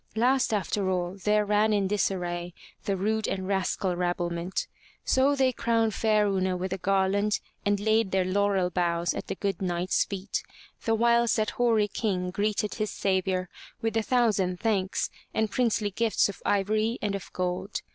Last after all there ran in disarray the rude and rascal rabblement. So they crowned fair Una with a garland and laid their laurel boughs at the good Knight's feet, the whiles that hoary King greeted his savior with a thousand thanks and princely gifts of ivory and of gold.